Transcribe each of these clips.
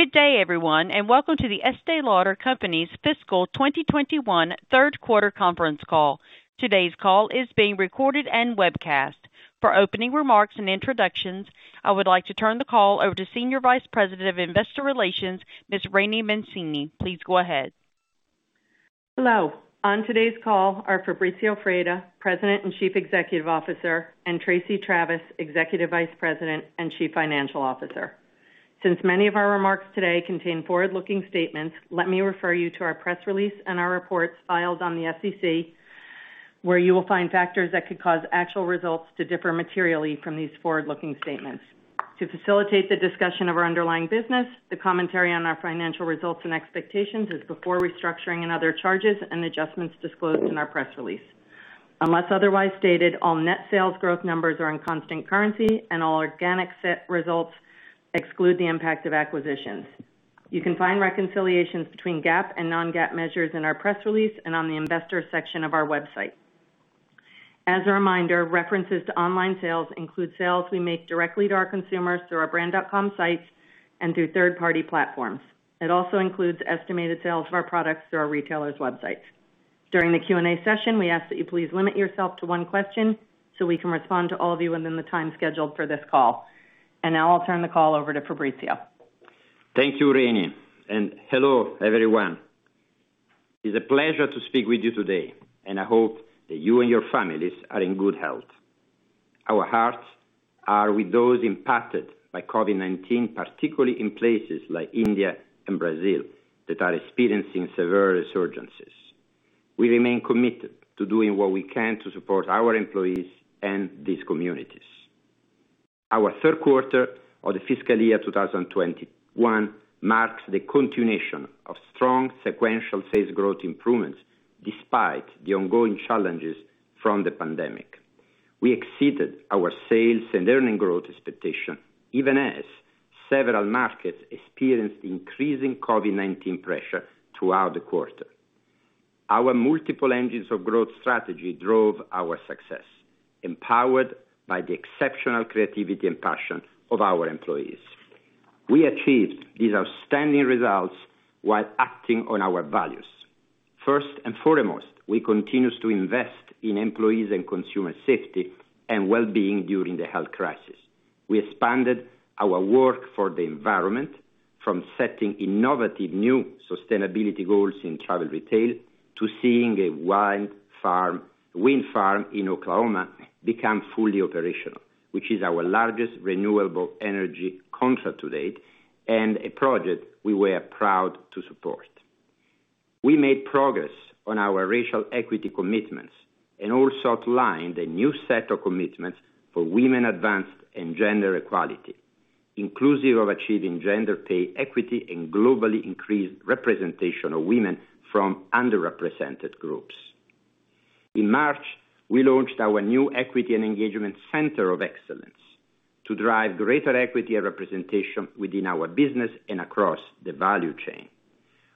Good day, everyone, and welcome to The Estée Lauder Companies Fiscal 2021 Third Quarter Conference Call. Today's call is being recorded and webcast. For opening remarks and introductions, I would like to turn the call over to Senior Vice President of Investor Relations, Ms. Laraine Mancini. Please go ahead. Hello. On today's call are Fabrizio Freda, President and Chief Executive Officer, and Tracey Travis, Executive Vice President and Chief Financial Officer. Since many of our remarks today contain forward-looking statements, let me refer you to our press release and our reports filed on the SEC, where you will find factors that could cause actual results to differ materially from these forward-looking statements. To facilitate the discussion of our underlying business, the commentary on our financial results and expectations is before restructuring and other charges and adjustments disclosed in our press release. Unless otherwise stated, all net sales growth numbers are in constant currency, and all organic net sales results exclude the impact of acquisitions. You can find reconciliations between GAAP and non-GAAP measures in our press release and on the investor section of our website. As a reminder, references to online sales include sales we make directly to our consumers through our brand.com sites and through third-party platforms. It also includes estimated sales of our products through our retailers' websites. During the Q&A session, we ask that you please limit yourself to one question so we can respond to all of you within the time scheduled for this call. Now I'll turn the call over to Fabrizio. Thank you, Laraine, and hello, everyone. It's a pleasure to speak with you today, and I hope that you and your families are in good health. Our hearts are with those impacted by COVID-19, particularly in places like India and Brazil that are experiencing severe resurgences. We remain committed to doing what we can to support our employees and these communities. Our third quarter of the fiscal year 2021 marks the continuation of strong sequential sales growth improvements despite the ongoing challenges from the pandemic. We exceeded our sales and earnings growth expectation even as several markets experienced increasing COVID-19 pressure throughout the quarter. Our multiple engines of growth strategy drove our success, empowered by the exceptional creativity and passion of our employees. We achieved these outstanding results while acting on our values. First and foremost, we continued to invest in employees' and consumer safety and well-being during the health crisis. We expanded our work for the environment from setting innovative new sustainability goals in travel retail to seeing a wind farm in Oklahoma become fully operational, which is our largest renewable energy contract to date and a project we were proud to support. We made progress on our racial equity commitments and also outlined a new set of commitments for women advancement and gender equality, inclusive of achieving gender pay equity and globally increased representation of women from underrepresented groups. In March, we launched our new Equity and Engagement Center of Excellence to drive greater equity and representation within our business and across the value chain.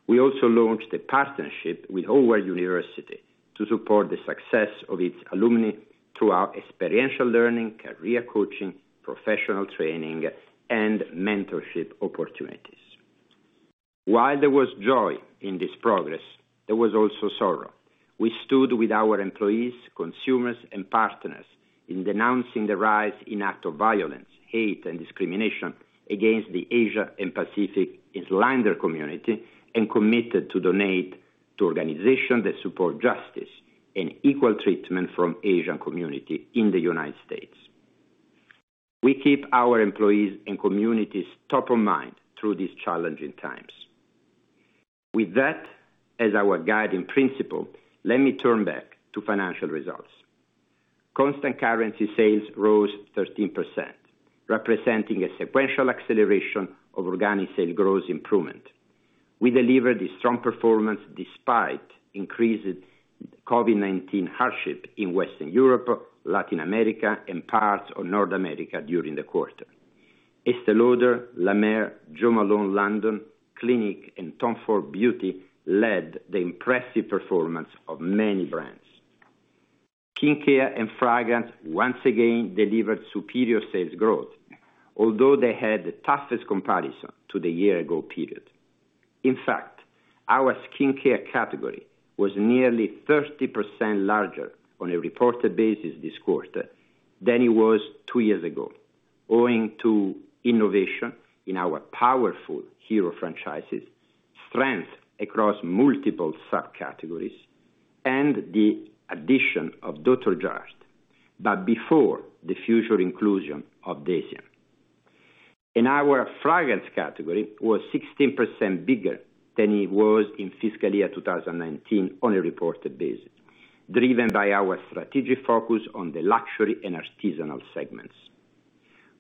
We also launched a partnership with Howard University to support the success of its alumni through our experiential learning, career coaching, professional training, and mentorship opportunities. While there was joy in this progress, there was also sorrow. We stood with our employees, consumers, and partners in denouncing the rise in acts of violence, hate, and discrimination against the Asia and Pacific Islander community, and committed to donate to organizations that support justice and equal treatment from Asian community in the United States. We keep our employees and communities top of mind through these challenging times. With that as our guiding principle, let me turn back to financial results. Constant currency sales rose 13%, representing a sequential acceleration of organic sales growth improvement. We delivered a strong performance despite increased COVID-19 hardship in Western Europe, Latin America, and parts of North America during the quarter. Estée Lauder, La Mer, Jo Malone London, Clinique, and Tom Ford Beauty led the impressive performance of many brands. Skincare and fragrance once again delivered superior sales growth, although they had the toughest comparison to the year-ago period. In fact, our skincare category was nearly 30% larger on a reported basis this quarter than it was two years ago, owing to innovation in our powerful hero franchises, strength across multiple subcategories, and the addition of Dr. Jart+, but before the future inclusion of Deciem. Our fragrance category was 16% bigger than it was in fiscal year 2019 on a reported basis, driven by our strategic focus on the luxury and artisanal segments.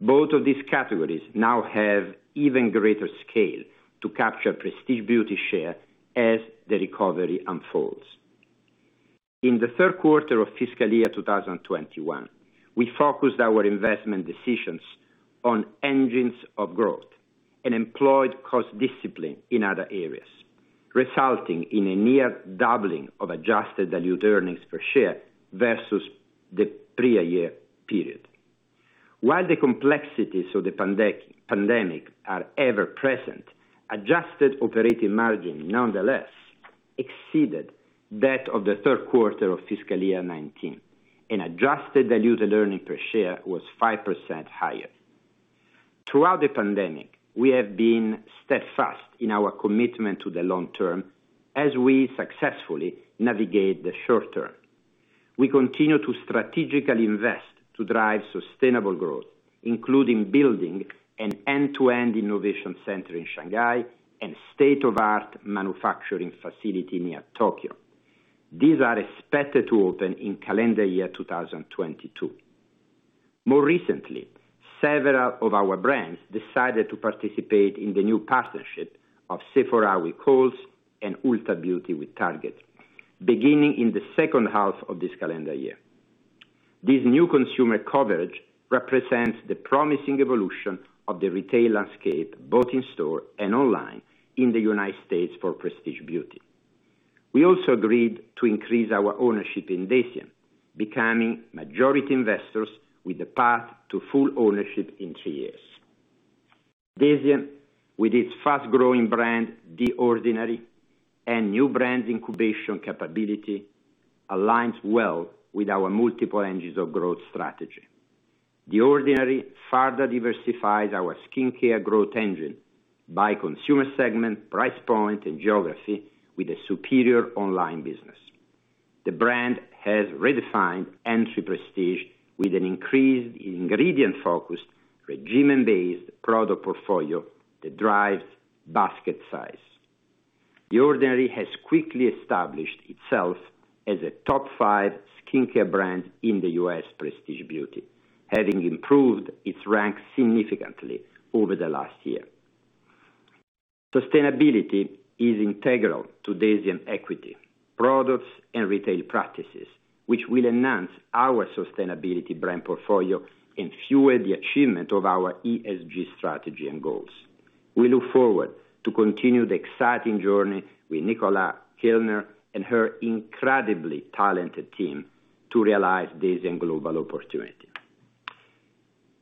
Both of these categories now have even greater scale to capture prestige beauty share as the recovery unfolds. In the third quarter of fiscal year 2021, we focused our investment decisions on engines of growth and employed cost discipline in other areas, resulting in a near doubling of adjusted diluted earnings per share versus the prior year period. While the complexities of the pandemic are ever present, adjusted operating margin nonetheless exceeded that of the third quarter of fiscal year 2019, and adjusted diluted earnings per share was 5% higher. Throughout the pandemic, we have been steadfast in our commitment to the long term as we successfully navigate the short term. We continue to strategically invest to drive sustainable growth, including building an end-to-end innovation center in Shanghai and state-of-art manufacturing facility near Tokyo. These are expected to open in calendar year 2022. More recently, several of our brands decided to participate in the new partnership of Sephora with Kohl's and Ulta Beauty with Target, beginning in the second half of this calendar year. This new consumer coverage represents the promising evolution of the retail landscape, both in store and online in the United States for prestige beauty. We also agreed to increase our ownership in Deciem, becoming majority investors with the path to full ownership in two years. Deciem, with its fast-growing brand, The Ordinary, and new brands incubation capability, aligns well with our multiple engines of growth strategy. The Ordinary further diversifies our skincare growth engine by consumer segment, price point, and geography with a superior online business. The brand has redefined entry prestige with an increased ingredient focus, regimen-based product portfolio that drives basket size. The Ordinary has quickly established itself as a top five skincare brand in the U.S. prestige beauty, having improved its rank significantly over the last year. Sustainability is integral to Deciem equity, products, and retail practices, which will enhance our sustainability brand portfolio and fuel the achievement of our ESG strategy and goals. We look forward to continue the exciting journey with Nicola Kilner and her incredibly talented team to realize Deciem global opportunity.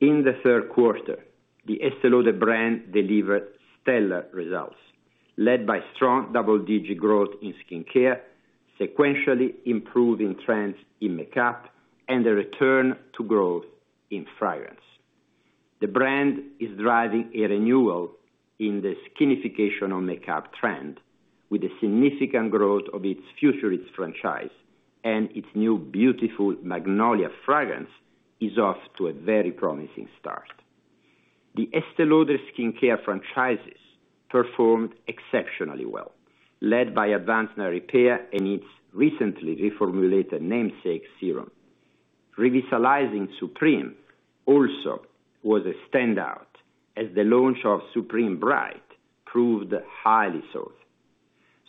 In the third quarter, the Estée Lauder brand delivered stellar results, led by strong double-digit growth in skincare, sequentially improving trends in makeup, and the return to growth in fragrance. The brand is driving a renewal in the skinification of makeup trend with a significant growth of its Futurist franchise and its new Beautiful Magnolia fragrance is off to a very promising start. The Estée Lauder skincare franchises performed exceptionally well, led by Advanced Night Repair and its recently reformulated namesake serum. Revitalizing Supreme+ also was a standout as the launch of Supreme Bright proved highly sought.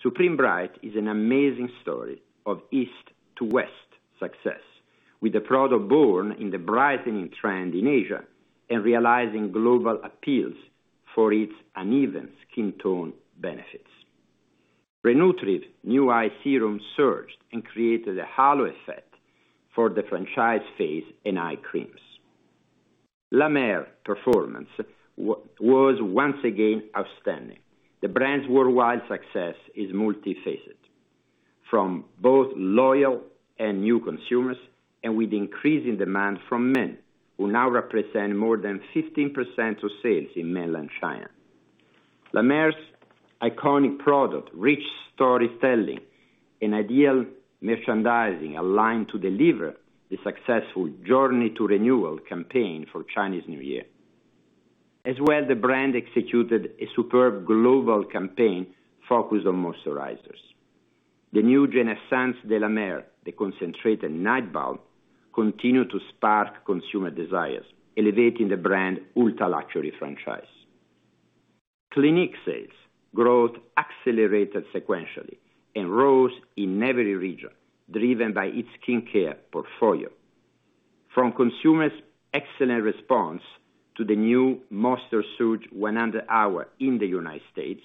Supreme Bright is an amazing story of East to West success with a product born in the brightening trend in Asia and realizing global appeals for its uneven skin tone benefits. Re-Nutriv New Eye serum surged and created a halo effect for the franchise face and eye creams. La Mer performance was once again outstanding. The brand's worldwide success is multifaceted from both loyal and new consumers, and with increasing demand from men, who now represent more than 15% of sales in mainland China. La Mer's iconic product, rich storytelling, and ideal merchandising aligned to deliver the successful Journey to Renewal campaign for Chinese New Year. The brand executed a superb global campaign focused on moisturizers. The new Genaissance de la Mer, the concentrated night balm, continued to spark consumer desires, elevating the brand ultra-luxury franchise. Clinique sales growth accelerated sequentially and rose in every region, driven by its skincare portfolio. From consumers' excellent response to the new Moisture Surge 100 Hour in the United States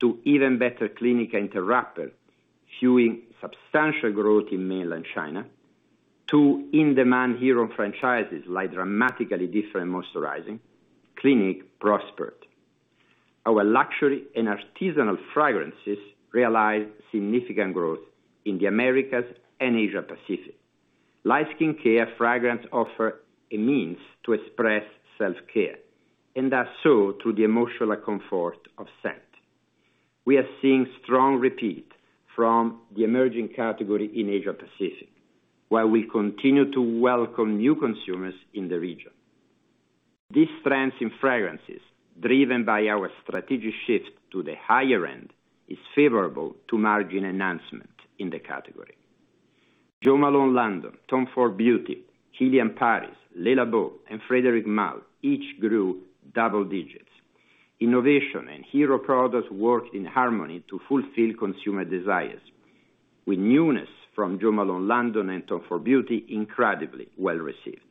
to Even Better Clinique Interrupter fueling substantial growth in mainland China to in-demand hero franchises like Dramatically Different Moisturizing, Clinique prospered. Our luxury and artisanal fragrances realized significant growth in the Americas and Asia Pacific. Like skincare, fragrance offers a means to express self-care, and that's so through the emotional comfort of scent. We are seeing strong repeat from the emerging category in Asia Pacific, while we continue to welcome new consumers in the region. These trends in fragrances, driven by our strategic shift to the higher end, is favorable to margin enhancement in the category. Jo Malone London, Tom Ford Beauty, Kilian Paris, Le Labo, and Frédéric Malle each grew double-digits. Innovation and hero products worked in harmony to fulfill consumer desires with newness from Jo Malone London and Tom Ford Beauty incredibly well received.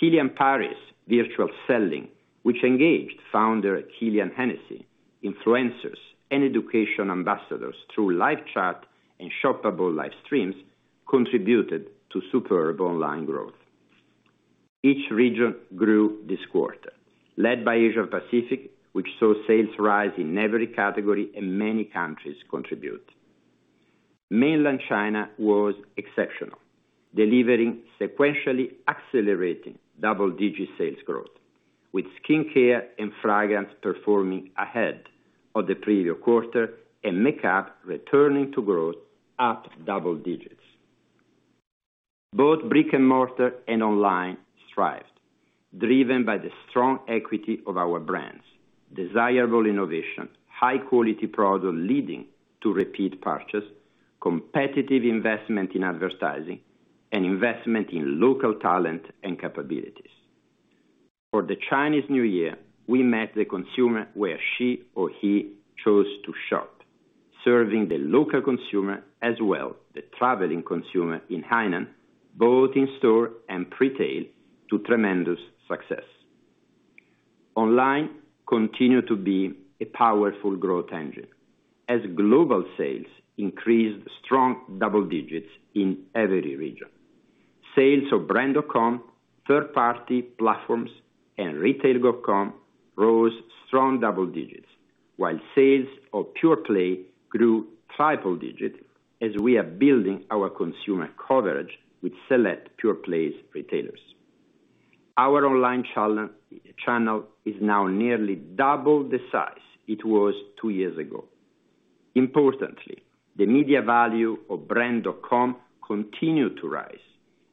Kilian Paris virtual selling, which engaged Founder Kilian Hennessy, influencers, and education ambassadors through live chat and shoppable live streams, contributed to superb online growth. Each region grew this quarter, led by Asia Pacific, which saw sales rise in every category and many countries contribute. Mainland China was exceptional, delivering sequentially accelerating double-digit sales growth, with skincare and fragrance performing ahead of the previous quarter and makeup returning to growth at double-digits. Both brick-and-mortar and online thrived, driven by the strong equity of our brands, desirable innovation, high-quality product leading to repeat purchase, competitive investment in advertising, and investment in local talent and capabilities. For the Chinese New Year, we met the consumer where she or he chose to shop, serving the local consumer as well the traveling consumer in Hainan, both in store and pre-tail, to tremendous success. Online continued to be a powerful growth engine as global sales increased strong double-digits in every region. Sales of brand.com, third-party platforms, and retail.com rose strong double-digits, while sales of pure-play grew triple digits as we are building our consumer coverage with select pure-play retailers. Our online channel is now nearly double the size it was two years ago. Importantly, the media value of brand.com continued to rise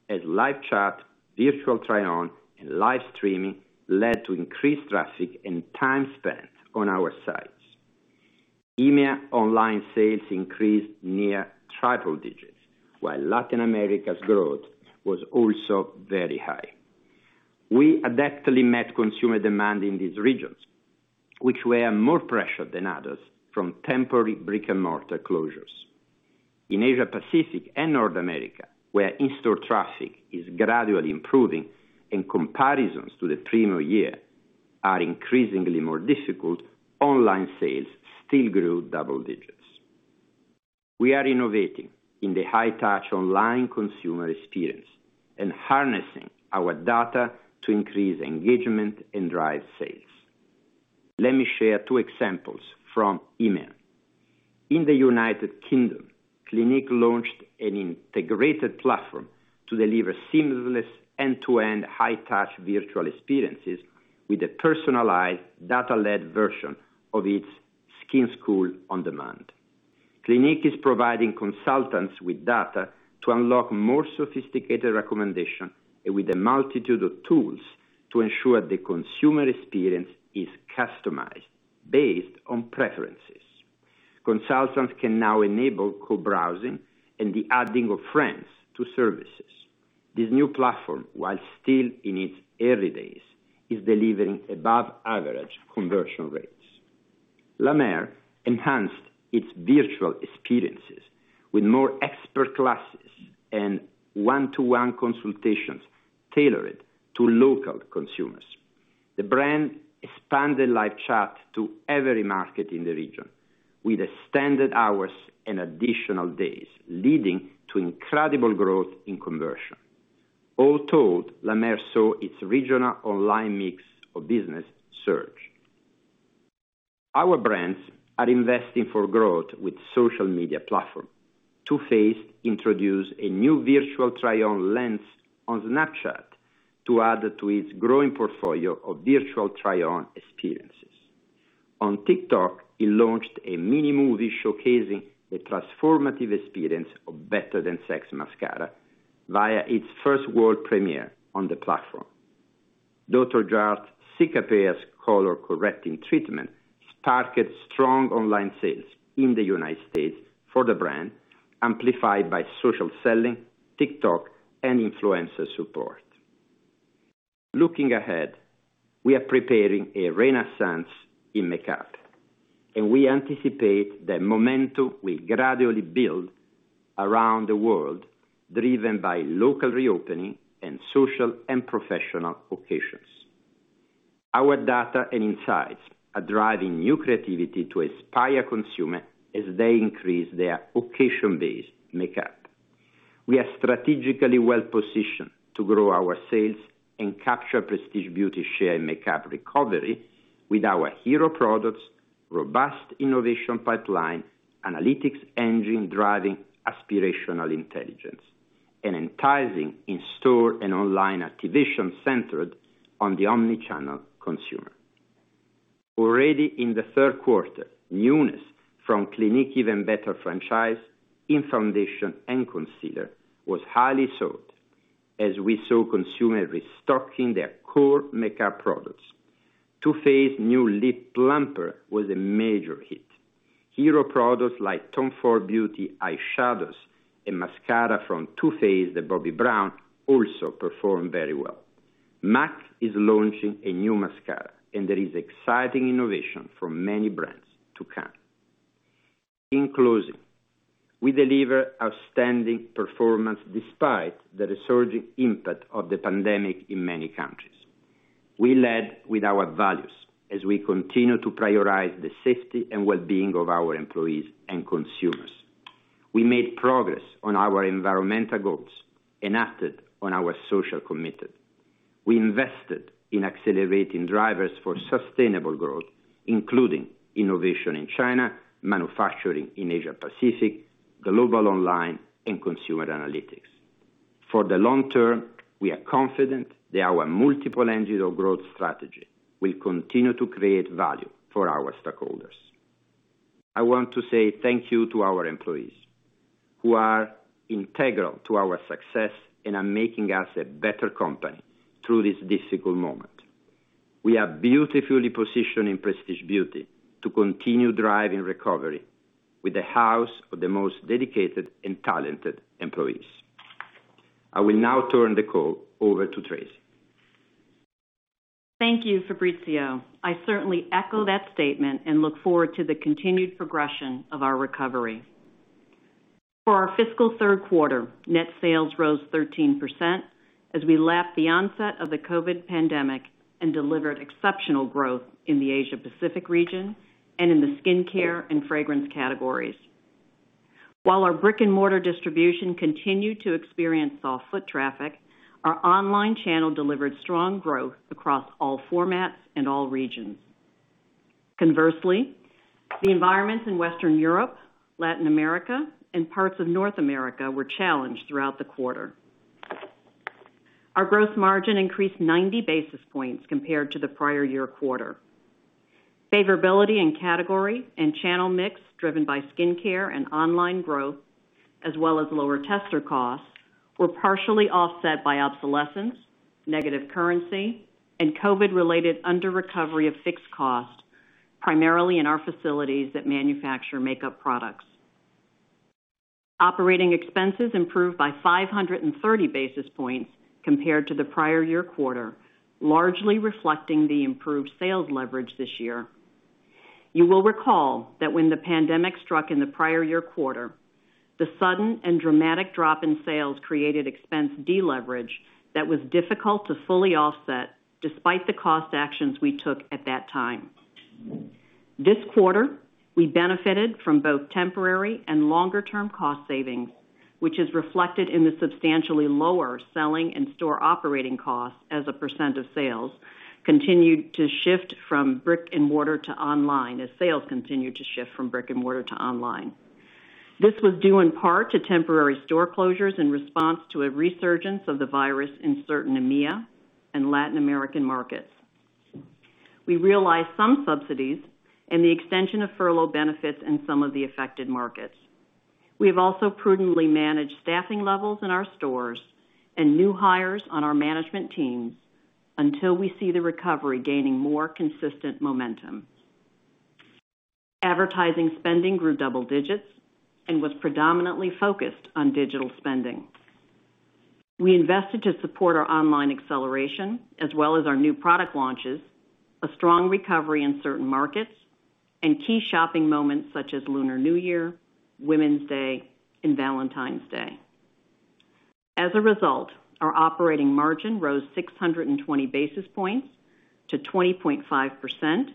as live chat, virtual try-on, and live streaming led to increased traffic and time spent on our sites. EMEA online sales increased near triple digits, while Latin America's growth was also very high. We adeptly met consumer demand in these regions, which were more pressured than others from temporary brick-and-mortar closures. In Asia Pacific and North America, where in-store traffic is gradually improving and comparisons to the premium year are increasingly more difficult, online sales still grew double digits. We are innovating in the high-touch online consumer experience and harnessing our data to increase engagement and drive sales. Let me share two examples from EMEA. In the United Kingdom, Clinique launched an integrated platform to deliver seamless end-to-end high-touch virtual experiences with a personalized data-led version of its Skin School on Demand. Clinique is providing consultants with data to unlock more sophisticated recommendation with a multitude of tools to ensure the consumer experience is customized based on preferences. Consultants can now enable co-browsing and the adding of friends to services. This new platform, while still in its early days, is delivering above average conversion rates. La Mer enhanced its virtual experiences with more expert classes and one-to-one consultations tailored to local consumers. The brand expanded live chat to every market in the region with standard hours and additional days, leading to incredible growth in conversion. All told, La Mer saw its regional online mix of business surge. Our brands are investing for growth with social media platform. Too Faced introduced a new virtual try-on lens on Snapchat to add to its growing portfolio of virtual try-on experiences. On TikTok, it launched a mini movie showcasing a transformative experience of Better Than Sex mascara via its first world premiere on the platform. Dr. Jart+'s Cicapair color-correcting treatment sparked strong online sales in the U.S. for the brand, amplified by social selling, TikTok, and influencer support. Looking ahead, we are preparing a renaissance in makeup, and we anticipate that momentum will gradually build around the world, driven by local reopening and social and professional occasions. Our data and insights are driving new creativity to inspire consumer as they increase their occasion-based makeup. We are strategically well-positioned to grow our sales and capture prestige beauty share in makeup recovery with our hero products, robust innovation pipeline, analytics engine driving aspirational intelligence, and enticing in-store and online activation centered on the omni-channel consumer. Already in the third quarter, newness from Clinique Even Better franchise in foundation and concealer was highly sought, as we saw consumers restocking their core makeup products. Too Faced new lip plumper was a major hit. Hero products like Tom Ford Beauty eyeshadows and mascara from Too Faced and Bobbi Brown also performed very well. M·A·C is launching a new mascara. There is exciting innovation from many brands to come. In closing, we deliver outstanding performance despite the resurging impact of the pandemic in many countries. We led with our values as we continue to prioritize the safety and well-being of our employees and consumers. We made progress on our environmental goals and acted on our social commitment. We invested in accelerating drivers for sustainable growth, including innovation in China, manufacturing in Asia Pacific, global online, and consumer analytics. For the long term, we are confident that our multiple engines of growth strategy will continue to create value for our stakeholders. I want to say thank you to our employees, who are integral to our success and are making us a better company through this difficult moment. We are beautifully positioned in Prestige Beauty to continue driving recovery with a house of the most dedicated and talented employees. I will now turn the call over to Tracey. Thank you, Fabrizio. I certainly echo that statement and look forward to the continued progression of our recovery. For our fiscal third quarter, net sales rose 13% as we lapped the onset of the COVID pandemic and delivered exceptional growth in the Asia Pacific region and in the skincare and fragrance categories. While our brick-and-mortar distribution continued to experience soft foot traffic, our online channel delivered strong growth across all formats and all regions. Conversely, the environments in Western Europe, Latin America, and parts of North America were challenged throughout the quarter. Our gross margin increased 90 basis points compared to the prior year quarter. Favorability in category and channel mix, driven by skincare and online growth, as well as lower tester costs, were partially offset by obsolescence, negative currency, and COVID-related under-recovery of fixed cost, primarily in our facilities that manufacture makeup products. Operating expenses improved by 530 basis points compared to the prior year quarter, largely reflecting the improved sales leverage this year. You will recall that when the pandemic struck in the prior year quarter, the sudden and dramatic drop in sales created expense deleverage that was difficult to fully offset despite the cost actions we took at that time. This quarter, we benefited from both temporary and longer-term cost savings, which is reflected in the substantially lower selling and store operating costs as a % of sales, as sales continued to shift from brick-and-mortar to online. This was due in part to temporary store closures in response to a resurgence of the virus in certain EMEA and Latin American markets. We realized some subsidies and the extension of furlough benefits in some of the affected markets. We have also prudently managed staffing levels in our stores and new hires on our management teams until we see the recovery gaining more consistent momentum. Advertising spending grew double digits and was predominantly focused on digital spending. We invested to support our online acceleration as well as our new product launches, a strong recovery in certain markets, and key shopping moments such as Lunar New Year, Women's Day, and Valentine's Day. As a result, our operating margin rose 620 basis points to 20.5%,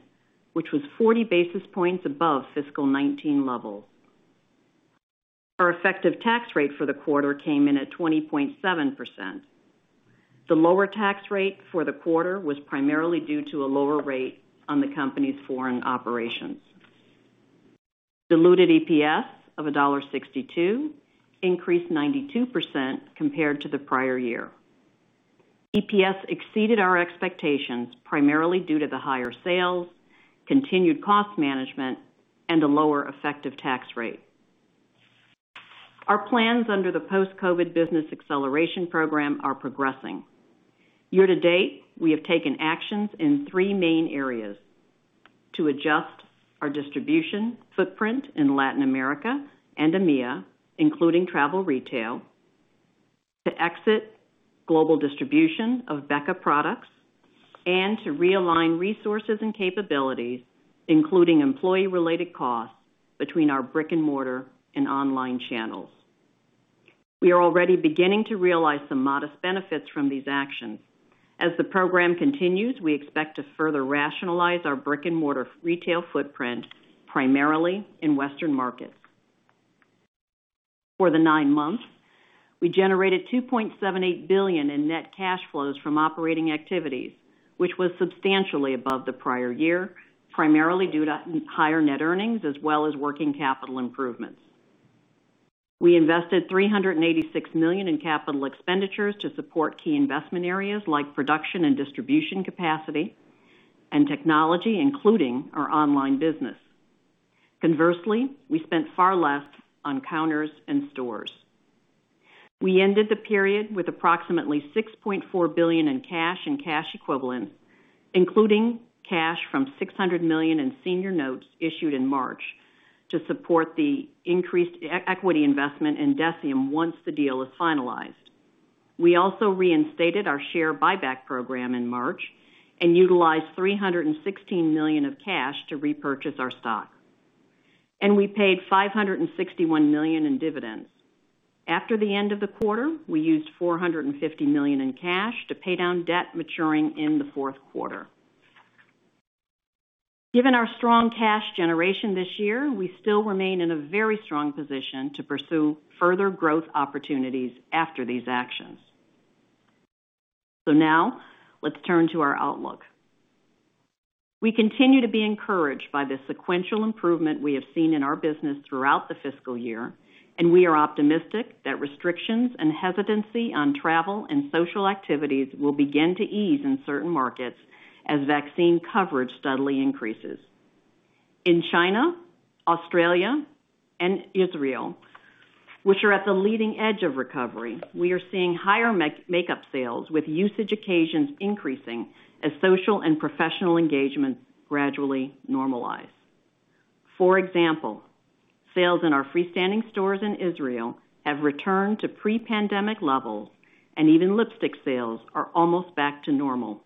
which was 40 basis points above fiscal 2019 levels. Our effective tax rate for the quarter came in at 20.7%. The lower tax rate for the quarter was primarily due to a lower rate on the company's foreign operations. Diluted EPS of $1.62 increased 92% compared to the prior year. EPS exceeded our expectations primarily due to the higher sales, continued cost management, and a lower effective tax rate. Our plans under the Post-COVID Business Acceleration Program are progressing. Year-to-date, we have taken actions in three main areas: to adjust our distribution footprint in Latin America and EMEA, including travel retail, to exit global distribution of BECCA products, and to realign resources and capabilities, including employee-related costs, between our brick-and-mortar and online channels. We are already beginning to realize some modest benefits from these actions. As the program continues, we expect to further rationalize our brick-and-mortar retail footprint, primarily in Western markets. For the nine months, we generated $2.78 billion in net cash flows from operating activities, which was substantially above the prior year, primarily due to higher net earnings as well as working capital improvements. We invested $386 million in capital expenditures to support key investment areas like production and distribution capacity and technology, including our online business. Conversely, we spent far less on counters and stores. We ended the period with approximately $6.4 billion in cash and cash equivalents, including cash from $600 million in senior notes issued in March to support the increased equity investment in Deciem once the deal is finalized. We also reinstated our share buyback program in March and utilized $316 million of cash to repurchase our stock, and we paid $561 million in dividends. After the end of the quarter, we used $450 million in cash to pay down debt maturing in the fourth quarter. Given our strong cash generation this year, we still remain in a very strong position to pursue further growth opportunities after these actions. Now let's turn to our outlook. We continue to be encouraged by the sequential improvement we have seen in our business throughout the fiscal year, and we are optimistic that restrictions and hesitancy on travel and social activities will begin to ease in certain markets as vaccine coverage steadily increases. In China, Australia, and Israel, which are at the leading edge of recovery, we are seeing higher makeup sales, with usage occasions increasing as social and professional engagements gradually normalize. For example, sales in our freestanding stores in Israel have returned to pre-pandemic levels, and even lipstick sales are almost back to normal.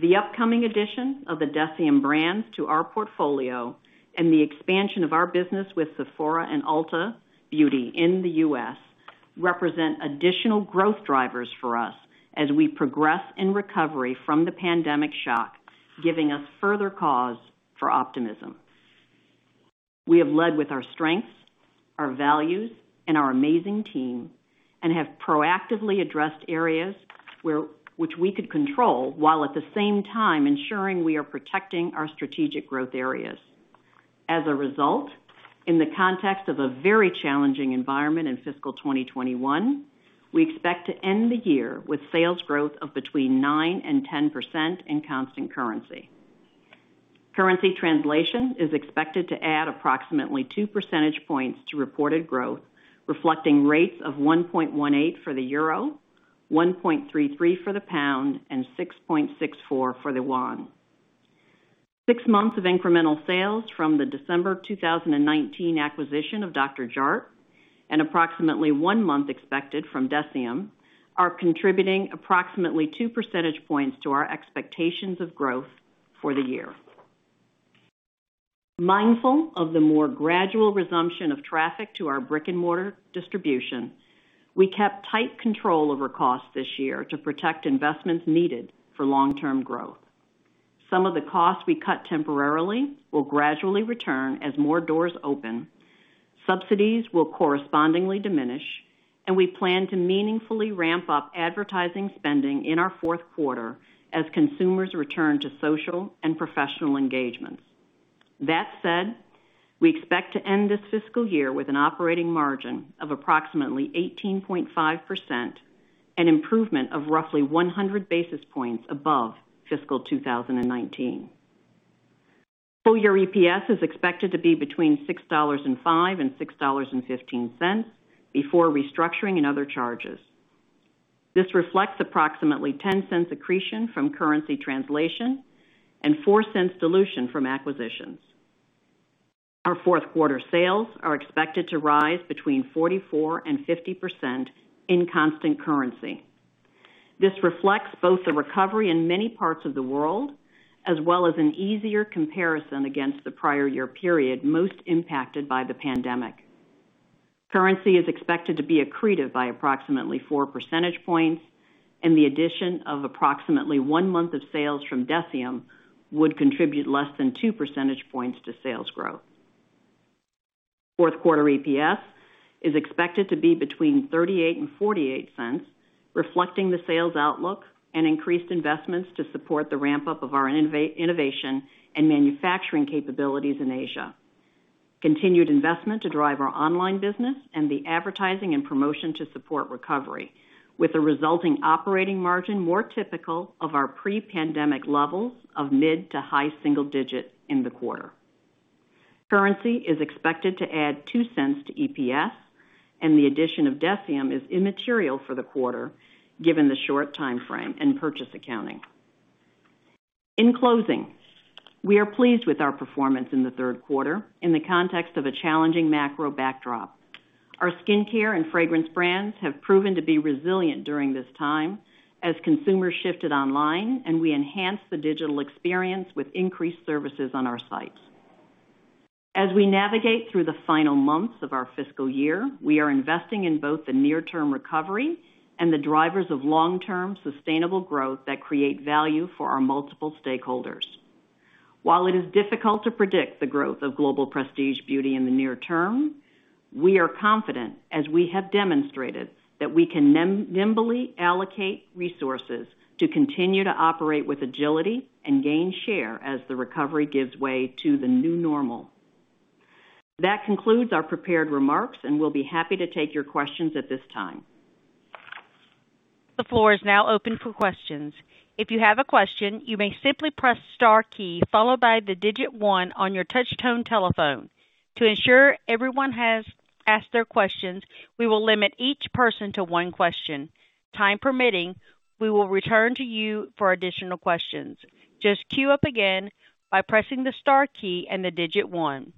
The upcoming addition of the Deciem brand to our portfolio and the expansion of our business with Sephora and Ulta Beauty in the U.S. represent additional growth drivers for us as we progress in recovery from the pandemic shock, giving us further cause for optimism. We have led with our strengths, our values, and our amazing team and have proactively addressed areas which we could control, while at the same time ensuring we are protecting our strategic growth areas. As a result, in the context of a very challenging environment in fiscal 2021, we expect to end the year with sales growth of between 9% and 10% in constant currency. Currency translation is expected to add approximately 2 percentage points to reported growth, reflecting rates of 1.18 for the euro, 1.33 for the pound, and 6.64 for the yuan. Six months of incremental sales from the December 2019 acquisition of Dr. Jart+ and approximately one month expected from Deciem are contributing approximately 2 percentage points to our expectations of growth for the year. Mindful of the more gradual resumption of traffic to our brick-and-mortar distribution, we kept tight control over costs this year to protect investments needed for long-term growth. Some of the costs we cut temporarily will gradually return as more doors open, subsidies will correspondingly diminish, and we plan to meaningfully ramp up advertising spending in our fourth quarter as consumers return to social and professional engagements. That said, we expect to end this fiscal year with an operating margin of approximately 18.5%, an improvement of roughly 100 basis points above fiscal 2019. Full-year EPS is expected to be between $6.05 and $6.15 before restructuring and other charges. This reflects approximately $0.10 accretion from currency translation and $0.04 dilution from acquisitions. Our fourth quarter sales are expected to rise between 44% and 50% in constant currency. This reflects both the recovery in many parts of the world, as well as an easier comparison against the prior year period, most impacted by the pandemic. Currency is expected to be accretive by approximately 4 percentage points, and the addition of approximately one month of sales from Deciem would contribute less than 2 percentage points to sales growth. Fourth quarter EPS is expected to be between $0.38 and $0.48, reflecting the sales outlook and increased investments to support the ramp-up of our innovation and manufacturing capabilities in Asia, continued investment to drive our online business, and the advertising and promotion to support recovery, with a resulting operating margin more typical of our pre-pandemic levels of mid to high single digits in the quarter. Currency is expected to add $0.02 to EPS, and the addition of Deciem is immaterial for the quarter, given the short timeframe and purchase accounting. In closing, we are pleased with our performance in the third quarter in the context of a challenging macro backdrop. Our skincare and fragrance brands have proven to be resilient during this time as consumers shifted online and we enhanced the digital experience with increased services on our sites. As we navigate through the final months of our fiscal year, we are investing in both the near-term recovery and the drivers of long-term sustainable growth that create value for our multiple stakeholders. While it is difficult to predict the growth of global prestige beauty in the near term, we are confident, as we have demonstrated, that we can nimbly allocate resources to continue to operate with agility and gain share as the recovery gives way to the new normal. That concludes our prepared remarks, and we'll be happy to take your questions at this time. The floor is now open for questions. If you have a question, you may simply press star key followed by the digit one on your touchtone telephone. To ensure everyone has asked their question, we will limit each person to one question. Time permitting, we will return to you for additional questions. Just queue up again by pressing the star key and the digit one.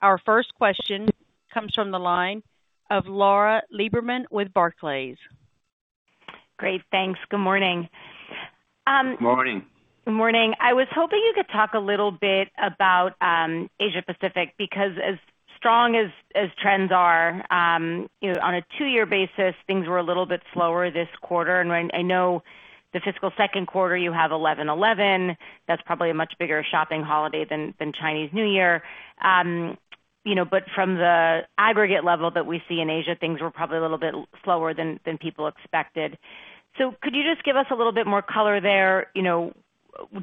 Our first question comes from the line of Lauren Lieberman with Barclays. Great. Thanks. Good morning. Morning. Good morning. I was hoping you could talk a little bit about Asia Pacific, because as strong as trends are on a two-year basis, things were a little bit slower this quarter. I know the fiscal second quarter, you have 11.11, that's probably a much bigger shopping holiday than Chinese New Year. From the aggregate level that we see in Asia, things were probably a little bit slower than people expected. Could you just give us a little bit more color there,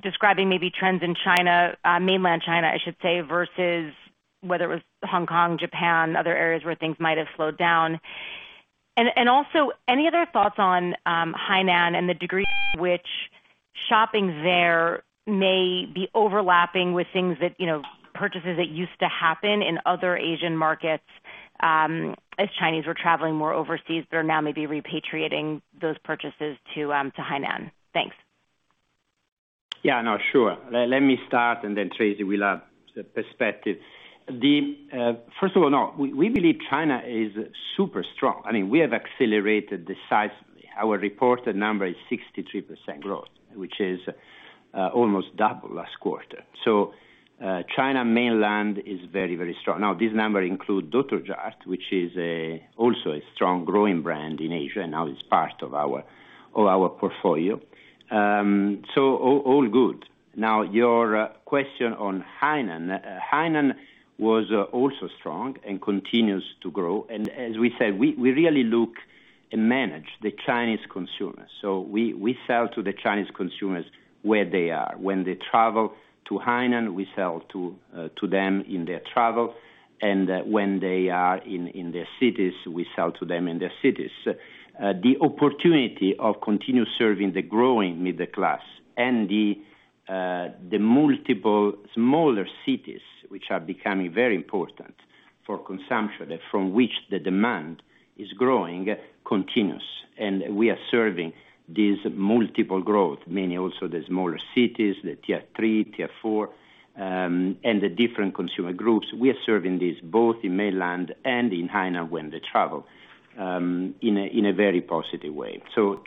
describing maybe trends in China, Mainland China, I should say, versus whether it was Hong Kong, Japan, other areas where things might have slowed down. Also, any other thoughts on Hainan and the degree to which shopping there may be overlapping with purchases that used to happen in other Asian markets, as Chinese were traveling more overseas, they're now maybe repatriating those purchases to Hainan. Thanks. Yeah. No, sure. Let me start, and then Tracey will add perspective. First of all, no, we believe China is super strong. We have accelerated the size. Our reported number is 63% growth, which is almost double last quarter. China Mainland is very strong. Now, this number include Dr. Jart+, which is also a strong growing brand in Asia, now it's part of our portfolio. All good. Now, your question on Hainan. Hainan was also strong and continues to grow. As we said, we really look and manage the Chinese consumer. We sell to the Chinese consumers where they are. When they travel to Hainan, we sell to them in their travel. When they are in their cities, we sell to them in their cities. The opportunity of continue serving the growing middle class and the multiple smaller cities, which are becoming very important for consumption, from which the demand is growing, continues. We are serving this multiple growth, meaning also the smaller cities, the Tier 3, Tier 4, and the different consumer groups. We are serving this both in Mainland and in Hainan when they travel in a very positive way.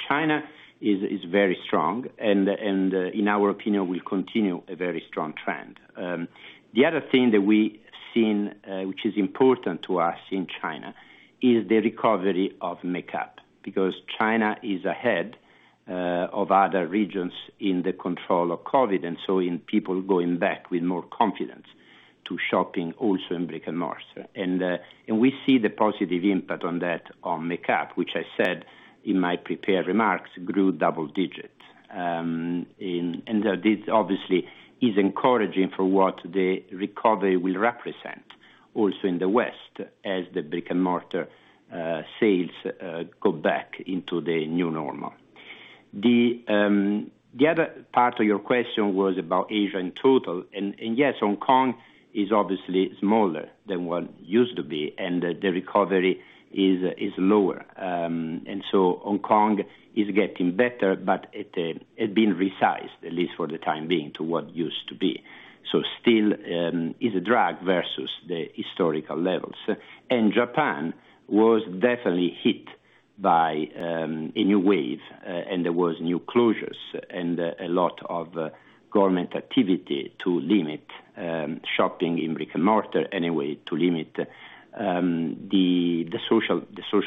China is very strong and in our opinion, will continue a very strong trend. The other thing that we seen, which is important to us in China, is the recovery of makeup, because China is ahead of other regions in the control of COVID, and in people going back with more confidence to shopping also in brick and mortar. We see the positive impact on that on makeup, which I said in my prepared remarks, grew double-digit. This obviously is encouraging for what the recovery will represent also in the West as the brick and mortar sales go back into the new normal. The other part of your question was about Asia in total. Yes, Hong Kong is obviously smaller than what used to be, and the recovery is lower. Hong Kong is getting better, but it had been resized, at least for the time being, to what used to be. Still is a drag versus the historical levels. Japan was definitely hit by a new wave, and there was new closures and a lot of government activity to limit shopping in brick and mortar, anyway, to limit the social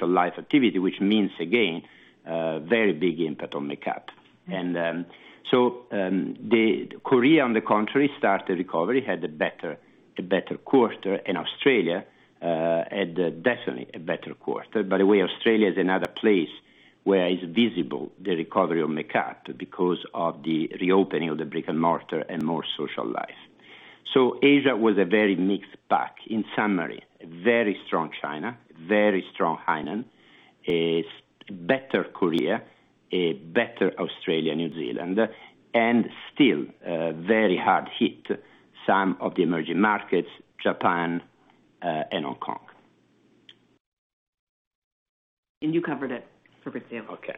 life activity, which means again, very big impact on makeup. Korea, on the contrary, started recovery, had a better quarter, and Australia had definitely a better quarter. By the way, Australia is another place where it's visible, the recovery of makeup because of the reopening of the brick and mortar and more social life. Asia was a very mixed pack. In summary, very strong China, very strong Hainan, a better Korea, a better Australia, New Zealand, and still very hard hit some of the emerging markets, Japan and Hong Kong. You covered it, Fabrizio. Okay.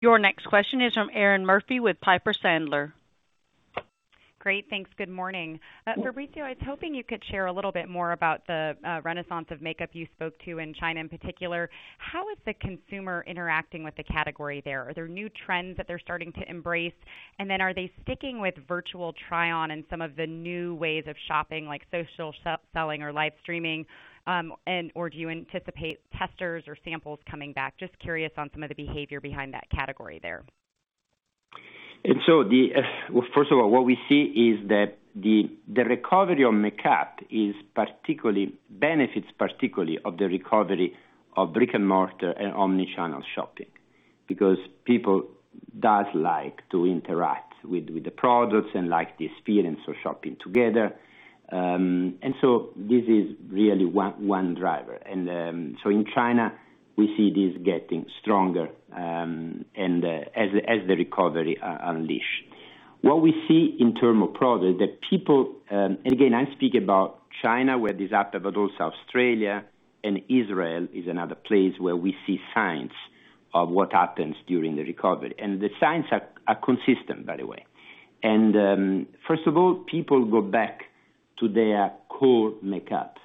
Your next question is from Erinn Murphy with Piper Sandler. Great. Thanks. Good morning. Fabrizio, I was hoping you could share a little bit more about the renaissance of makeup you spoke to in China in particular. How is the consumer interacting with the category there? Are there new trends that they're starting to embrace? Are they sticking with virtual try-on and some of the new ways of shopping, like social selling or live streaming? Do you anticipate testers or samples coming back? Just curious on some of the behavior behind that category there. First of all, what we see is that the recovery of makeup benefits particularly of the recovery of brick and mortar and omni-channel shopping because people does like to interact with the products and like the experience of shopping together. This is really one driver. In China, we see this getting stronger as the recovery unleash. What we see in term of product that people, again, I'm speaking about China where this active, but also Australia and Israel is another place where we see signs of what happens during the recovery. The signs are consistent, by the way. First of all, people go back to their core makeup.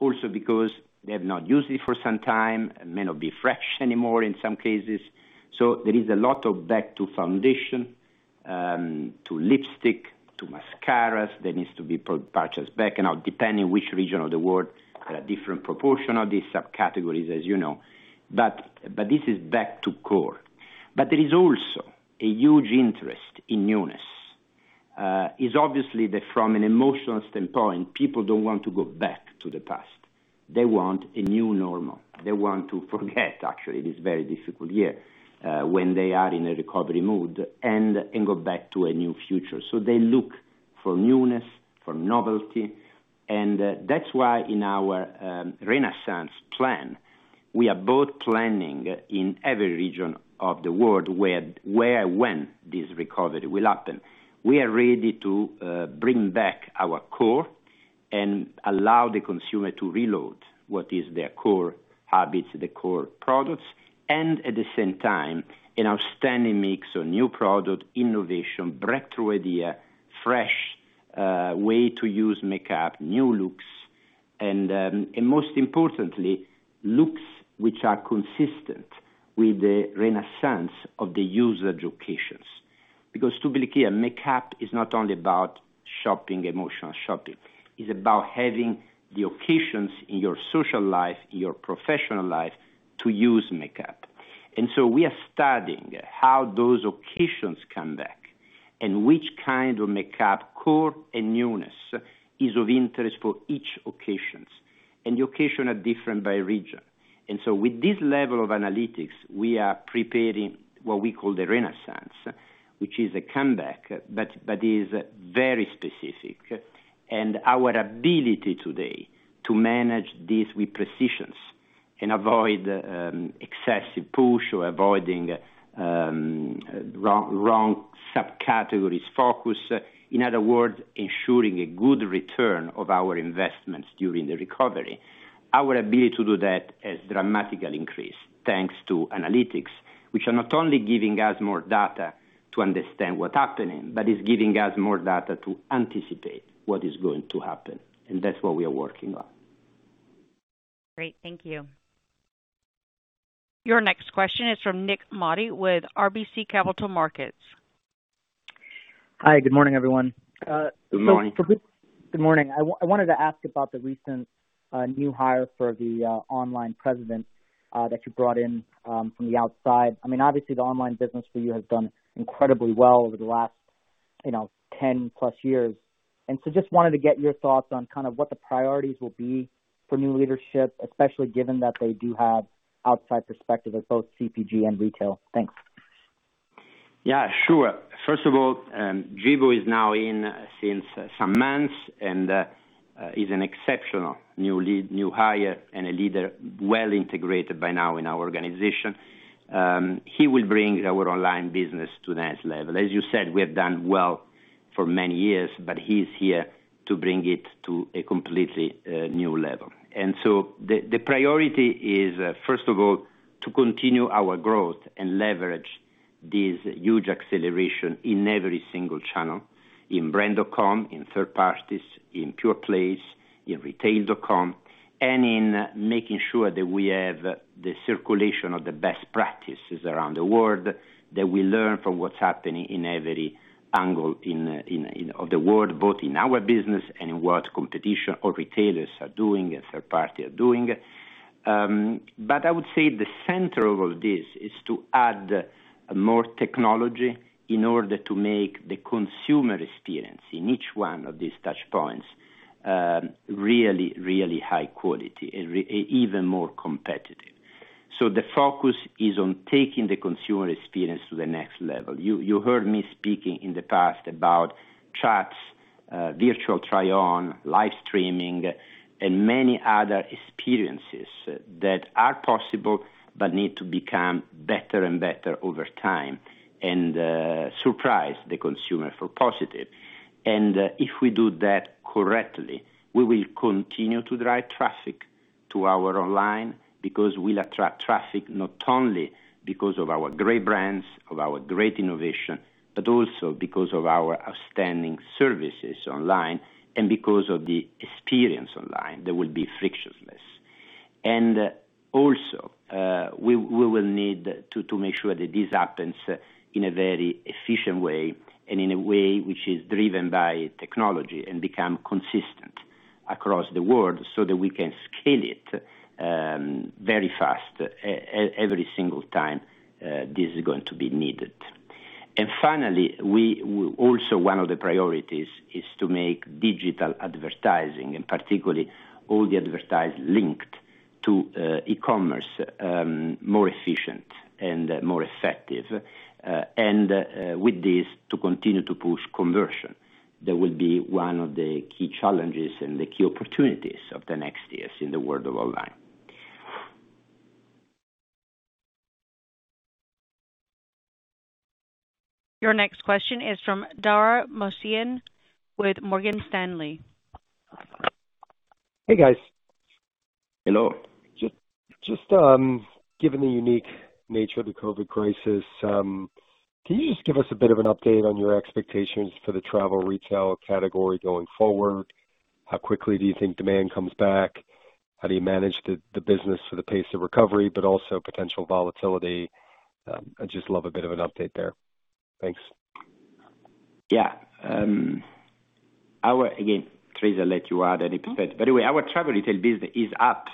Also because they have not used it for some time, it may not be fresh anymore in some cases. There is a lot of back to foundation, to lipstick, to mascaras, that needs to be purchased back. Now depending which region of the world, there are different proportion of these subcategories, as you know. This is back to core. There is also a huge interest in newness. It is obviously that from an emotional standpoint, people don't want to go back to the past. They want a new normal. They want to forget, actually, this very difficult year, when they are in a recovery mood, and go back to a new future. They look for newness, for novelty, and that is why in our renaissance plan, we are both planning in every region of the world where and when this recovery will happen. We are ready to bring back our core and allow the consumer to reload what is their core habits, the core products, and at the same time, an outstanding mix of new product innovation, breakthrough idea, fresh way to use makeup, new looks and most importantly, looks which are consistent with the renaissance of the use occasions. To be clear, makeup is not only about emotional shopping. It's about having the occasions in your social life, in your professional life, to use makeup. We are studying how those occasions come back, and which kind of makeup, core and newness, is of interest for each occasions. The occasion are different by region. With this level of analytics, we are preparing what we call the renaissance, which is a comeback, but is very specific. Our ability today to manage this with precision and avoid excessive push or avoiding wrong subcategory focus. In other words, ensuring a good return of our investments during the recovery. Our ability to do that has dramatically increased thanks to analytics, which are not only giving us more data to understand what's happening, but is giving us more data to anticipate what is going to happen. That's what we are working on. Great. Thank you. Your next question is from Nik Modi with RBC Capital Markets. Hi, good morning, everyone. Good morning. Good morning. I wanted to ask about the recent new hire for the online president that you brought in from the outside. Obviously, the online business for you has done incredibly well over the last 10+ years. Just wanted to get your thoughts on kind of what the priorities will be for new leadership, especially given that they do have outside perspective of both CPG and retail. Thanks. Sure. First of all, Gibu is now in since some months, and is an exceptional new hire and a leader well-integrated by now in our organization. He will bring our online business to the next level. As you said, we have done well for many years, but he's here to bring it to a completely new level. The priority is, first of all, to continue our growth and leverage this huge acceleration in every single channel, in brand.com, in third parties, in pure plays, in retail.com, and in making sure that we have the circulation of the best practices around the world, that we learn from what's happening in every angle of the world, both in our business and in what competition or retailers are doing and third party are doing. I would say the center of all this is to add more technology in order to make the consumer experience in each one of these touch points really, really high quality and even more competitive. The focus is on taking the consumer experience to the next level. You heard me speaking in the past about chats, virtual try-on, live streaming, and many other experiences that are possible but need to become better and better over time and surprise the consumer for positive. If we do that correctly, we will continue to drive traffic to our online because we'll attract traffic not only because of our great brands, of our great innovation, but also because of our outstanding services online and because of the experience online that will be frictionless. Also, we will need to make sure that this happens in a very efficient way and in a way which is driven by technology and become consistent across the world so that we can scale it very fast every single time this is going to be needed. Finally, also one of the priorities is to make digital advertising, and particularly all the advertising linked to e-commerce, more efficient and more effective. With this to continue to push conversion, that will be one of the key challenges and the key opportunities of the next years in the world of online. Your next question is from Dara Mohsenian with Morgan Stanley. Hey, guys. Hello. Just given the unique nature of the COVID crisis, can you just give us a bit of an update on your expectations for the travel retail category going forward? How quickly do you think demand comes back? How do you manage the business for the pace of recovery, but also potential volatility? I'd just love a bit of an update there. Thanks. Again, Tracey, I'll let you add anything, anyway, our travel retail business is up.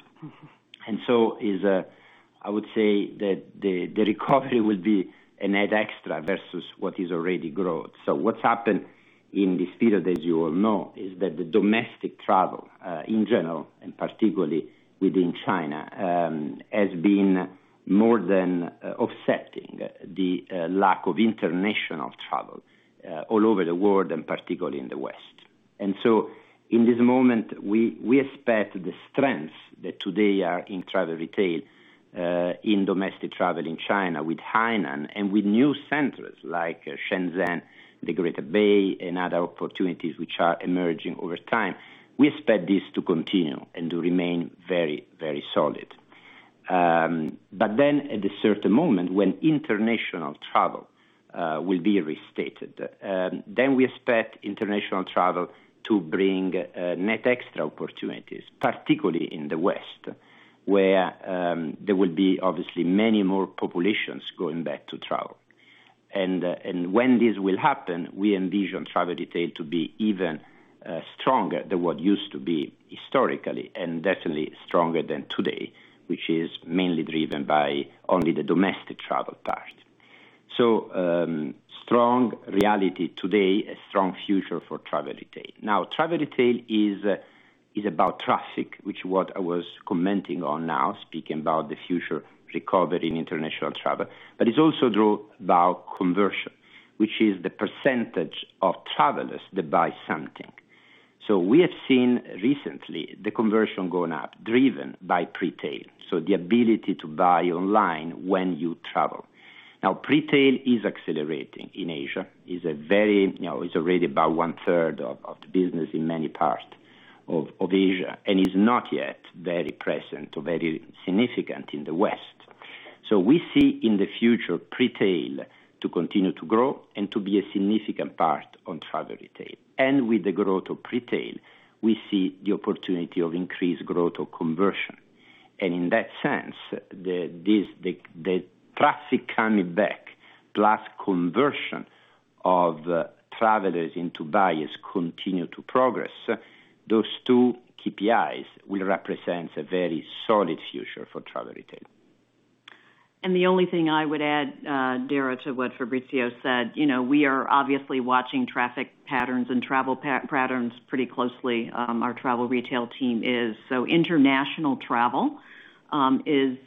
I would say that the recovery will be a net extra versus what is already growth. What's happened in this period, as you all know, is that the domestic travel, in general, and particularly within China, has been more than offsetting the lack of international travel all over the world, and particularly in the West. In this moment, we expect the strengths that today are in travel retail, in domestic travel in China with Hainan and with new centers like Shenzhen, the Greater Bay, and other opportunities which are emerging over time. We expect this to continue and to remain very solid. At a certain moment when international travel will be restated, then we expect international travel to bring net extra opportunities, particularly in the West, where there will be obviously many more populations going back to travel. When this will happen, we envision travel retail to be even stronger than what used to be historically, and definitely stronger than today, which is mainly driven by only the domestic travel part. Strong reality today, a strong future for travel retail. Travel retail is about traffic, which is what I was commenting on now, speaking about the future recovery in international travel. It's also about conversion, which is the % of travelers that buy something. We have seen recently the conversion going up, driven by pre-tail, so the ability to buy online when you travel. Pre-tail is accelerating in Asia. It's already about one-third of the business in many parts of Asia, and is not yet very present or very significant in the West. We see in the future pre-tail to continue to grow and to be a significant part of travel retail. With the growth of pre-tail, we see the opportunity of increased growth of conversion. In that sense, the traffic coming back, plus conversion of travelers into buyers continue to progress. Those two KPIs will represent a very solid future for travel retail. The only thing I would add, Dara, to what Fabrizio said, we are obviously watching traffic patterns and travel patterns pretty closely. Our travel retail team is. International travel is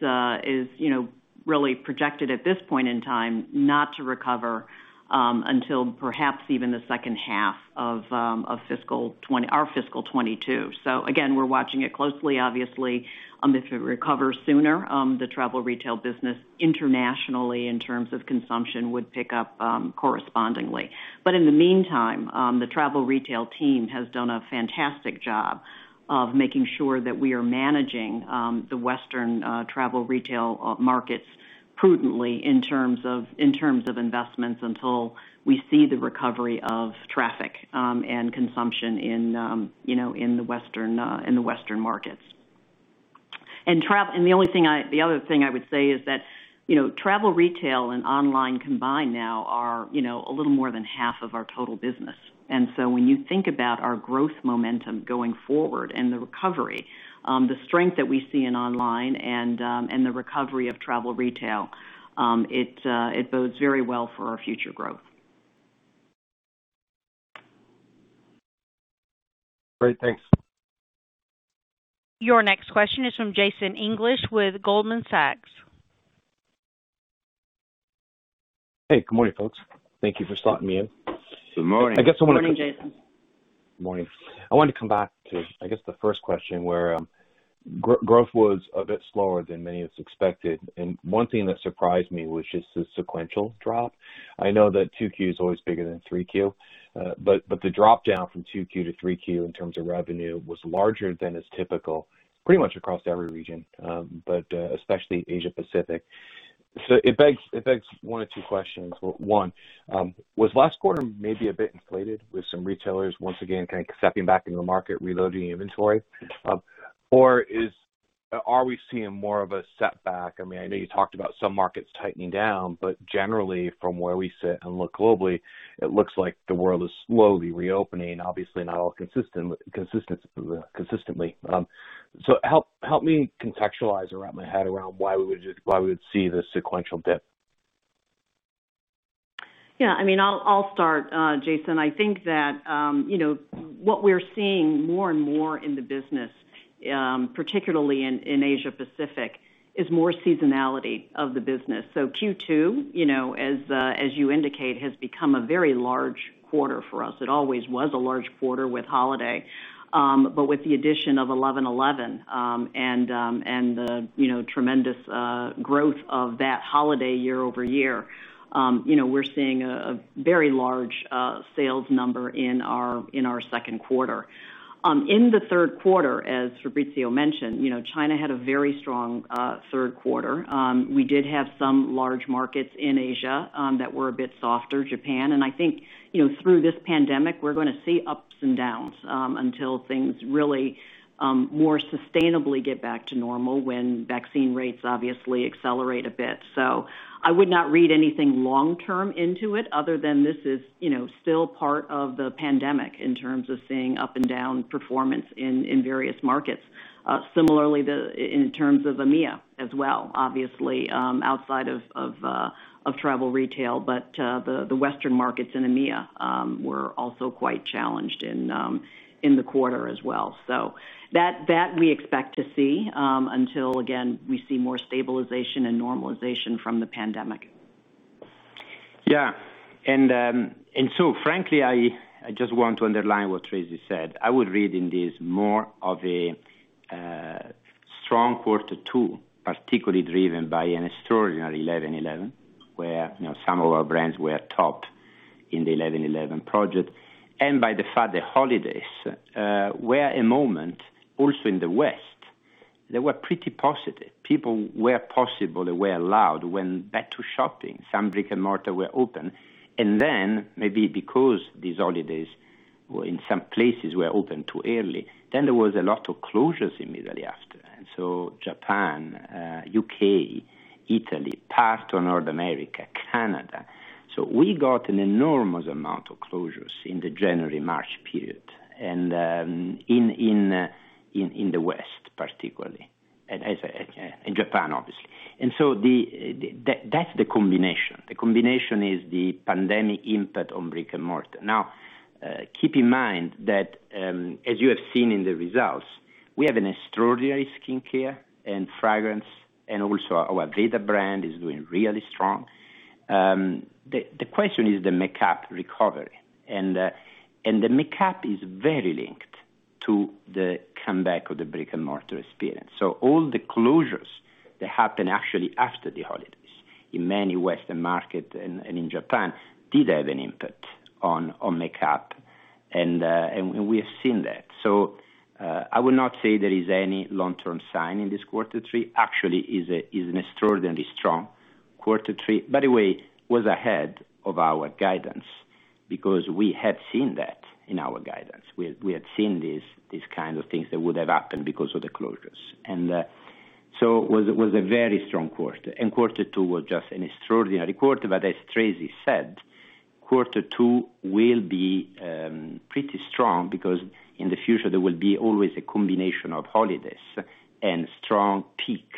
really projected at this point in time not to recover until perhaps even the second half of our fiscal 2022. Again, we're watching it closely, obviously. If it recovers sooner, the travel retail business internationally in terms of consumption would pick up correspondingly. In the meantime, the travel retail team has done a fantastic job of making sure that we are managing the Western travel retail markets prudently in terms of investments until we see the recovery of traffic and consumption in the Western markets. The other thing I would say is that travel retail and online combined now are a little more than half of our total business. When you think about our growth momentum going forward and the recovery, the strength that we see in online and the recovery of travel retail, it bodes very well for our future growth. Great. Thanks. Your next question is from Jason English with Goldman Sachs. Hey, good morning, folks. Thank you for slotting me in. Good morning. Good morning, Jason. Good morning. I wanted to come back to, I guess, the first question, where growth was a bit slower than many of us expected. One thing that surprised me was just the sequential drop. I know that 2Q is always bigger than 3Q, but the drop-down from 2Q to 3Q in terms of revenue was larger than is typical, pretty much across every region, but especially Asia-Pacific. It begs one or two questions. One, was last quarter maybe a bit inflated with some retailers once again kind of stepping back in the market, reloading inventory? Are we seeing more of a setback? I know you talked about some markets tightening down, but generally, from where we sit and look globally, it looks like the world is slowly reopening, obviously not all consistently. Help me contextualize around my head around why we would see this sequential dip. I'll start, Jason. I think that what we're seeing more and more in the business, particularly in Asia-Pacific, is more seasonality of the business. Q2, as you indicate, has become a very large quarter for us. It always was a large quarter with holiday. With the addition of 11.11, and the tremendous growth of that holiday year-over-year, we're seeing a very large sales number in our second quarter. In the third quarter, as Fabrizio mentioned, China had a very strong third quarter. We did have some large markets in Asia that were a bit softer, Japan, and I think, through this pandemic, we're going to see ups and downs, until things really more sustainably get back to normal when vaccine rates obviously accelerate a bit. I would not read anything long-term into it other than this is still part of the pandemic in terms of seeing up and down performance in various markets. Similarly, in terms of EMEA as well, obviously, outside of travel retail, but the western markets in EMEA, were also quite challenged in the quarter as well. That we expect to see, until again, we see more stabilization and normalization from the pandemic. Yeah. Frankly, I just want to underline what Tracey said. I would read in this more of a strong quarter two, particularly driven by an extraordinary 11.11, where some of our brands were top in the 11.11 project, and by the fact the holidays were a moment, also in the West, they were pretty positive. People, where possible, they were allowed, went back to shopping. Some brick and mortar were open. Maybe because these holidays were in some places were open too early, then there was a lot of closures immediately after. Japan, U.K., Italy, parts of North America, Canada. We got an enormous amount of closures in the January, March period, and in the West particularly, and Japan, obviously. That's the combination. The combination is the pandemic impact on brick and mortar. Now, keep in mind that, as you have seen in the results, we have an extraordinary skincare and fragrance, and also our Aveda brand is doing really strong. The question is the makeup recovery, and the makeup is very linked to the comeback of the brick and mortar experience. All the closures that happened actually after the holidays in many Western markets and in Japan did have an impact on makeup and we have seen that. I would not say there is any long-term sign in this quarter three, actually is an extraordinarily strong quarter three. By the way, was ahead of our guidance because we had seen that in our guidance. We had seen these kinds of things that would have happened because of the closures. It was a very strong quarter. Quarter two was just an extraordinary quarter. As Tracey said, quarter two will be pretty strong because in the future, there will be always a combination of holidays and strong peak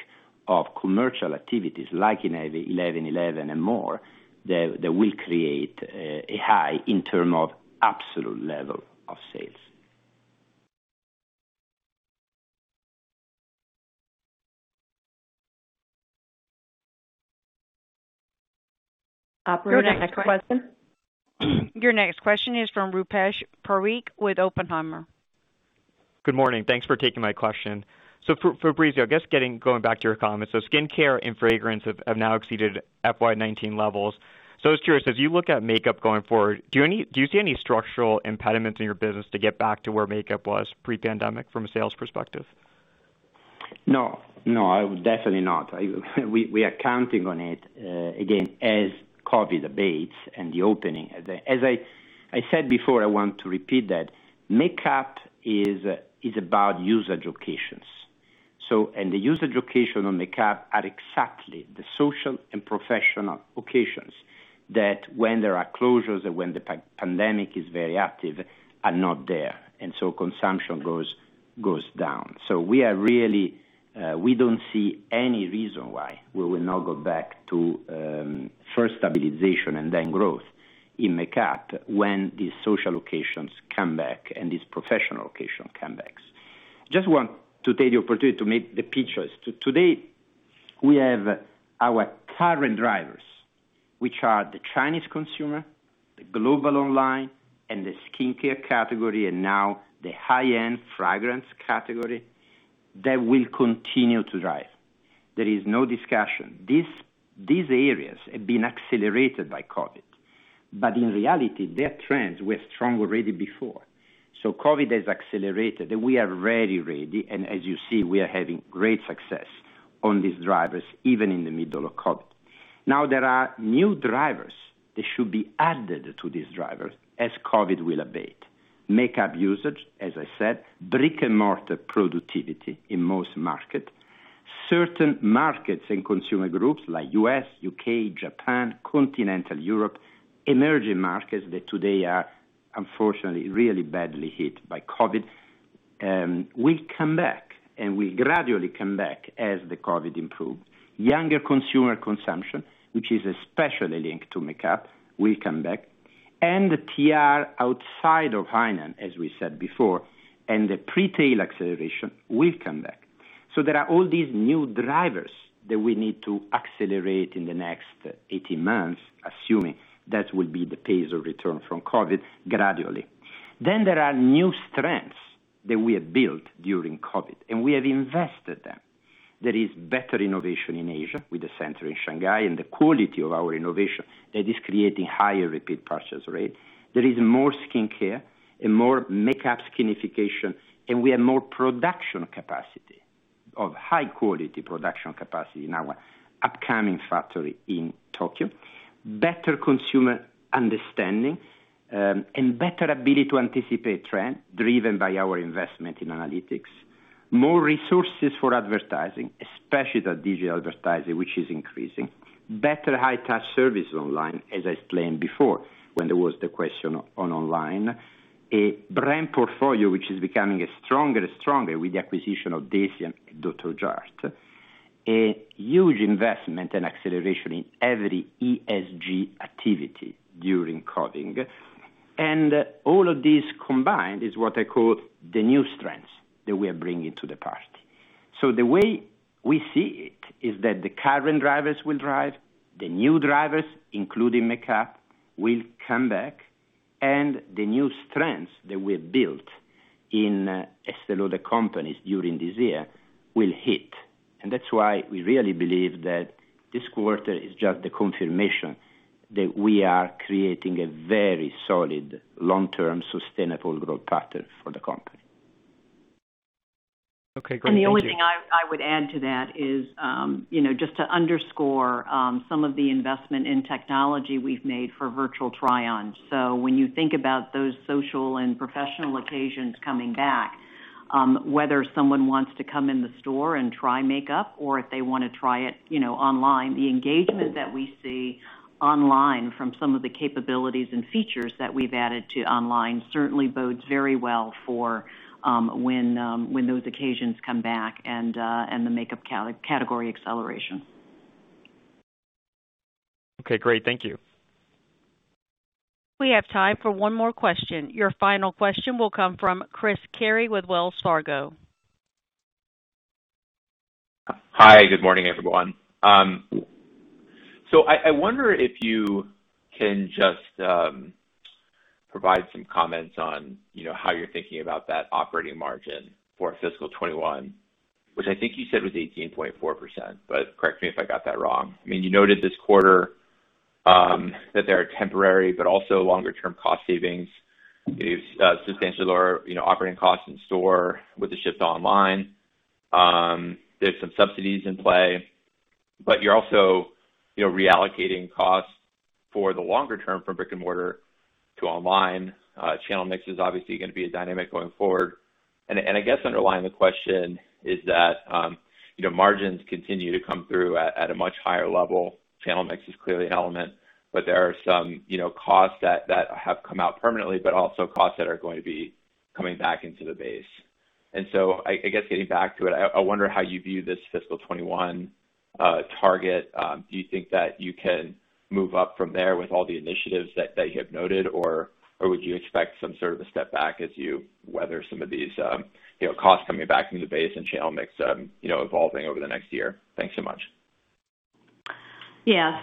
of commercial activities like in 11.11 and more that will create a high in term of absolute level of sales. Your next question is from Rupesh Parikh with Oppenheimer. Good morning. Thanks for taking my question. Fabrizio, I guess going back to your comments, skincare and fragrance have now exceeded FY 2019 levels. I was curious, as you look at makeup going forward, do you see any structural impediments in your business to get back to where makeup was pre-pandemic from a sales perspective? No, definitely not. We are counting on it, again, as COVID abates and the opening. As I said before, I want to repeat that, makeup is about usage occasions. The usage occasion on makeup are exactly the social and professional occasions that when there are closures or when the pandemic is very active, are not there, and so consumption goes down. We don't see any reason why we will not go back to, first stabilization and then growth in makeup when these social occasions come back and these professional occasion come backs. Just want to take the opportunity to make the pictures. Today, we have our current drivers, which are the Chinese consumer, the global online, and the skincare category, and now the high-end fragrance category that will continue to drive. There is no discussion. These areas have been accelerated by COVID. In reality, their trends were strong already before. COVID has accelerated, and we are very ready, and as you see, we are having great success on these drivers, even in the middle of COVID. Now there are new drivers that should be added to these drivers as COVID will abate. Makeup usage, as I said, brick and mortar productivity in most market. Certain markets and consumer groups like U.S., U.K., Japan, continental Europe, emerging markets that today are unfortunately really badly hit by COVID, will come back, and will gradually come back as the COVID improve. Younger consumer consumption, which is especially linked to makeup, will come back. The TR outside of Hainan, as we said before, and the pre-tail acceleration will come back. There are all these new drivers that we need to accelerate in the next 18 months, assuming that will be the pace of return from COVID gradually. There are new strengths that we have built during COVID, and we have invested them. There is better innovation in Asia with the center in Shanghai and the quality of our innovation that is creating higher repeat purchase rate. There is more skincare and more makeup skinification, and we have more production capacity, of high quality production capacity in our upcoming factory in Tokyo. Better consumer understanding, better ability to anticipate trend driven by our investment in analytics. More resources for advertising, especially the digital advertising, which is increasing. Better high touch service online, as I explained before, when there was the question on online. A brand portfolio, which is becoming stronger and stronger with the acquisition of Deciem and Dr. Jart+. A huge investment and acceleration in every ESG activity during COVID. All of these combined is what I call the new strengths that we are bringing to the party. The way we see it is that the current drivers will drive, the new drivers, including makeup, will come back, and the new strengths that we have built in Estée Lauder Companies during this year will hit. That's why we really believe that this quarter is just the confirmation that we are creating a very solid, long-term sustainable growth pattern for the company. Okay, great. Thank you. The only thing I would add to that is, just to underscore, some of the investment in technology we've made for virtual try-ons. When you think about those social and professional occasions coming back, whether someone wants to come in the store and try makeup or if they want to try it online, the engagement that we see online from some of the capabilities and features that we've added to online certainly bodes very well for when those occasions come back and the makeup category acceleration. Okay, great. Thank you. We have time for one more question. Your final question will come from Chris Carey with Wells Fargo. Good morning, everyone. I wonder if you can just provide some comments on how you're thinking about that operating margin for fiscal 2021, which I think you said was 18.4%, but correct me if I got that wrong. You noted this quarter that there are temporary but also longer-term cost savings, substantially lower operating costs in store with the shift online. There's some subsidies in play. You're also reallocating costs for the longer term from brick and mortar to online. Channel mix is obviously going to be a dynamic going forward. I guess underlying the question is margins continue to come through at a much higher level. Channel mix is clearly an element, but there are some costs that have come out permanently, but also costs that are going to be coming back into the base. I guess getting back to it, I wonder how you view this fiscal 2021 target. Do you think that you can move up from there with all the initiatives that you have noted, or would you expect some sort of a step back as you weather some of these costs coming back from the base and channel mix evolving over the next year? Thanks so much. Yeah.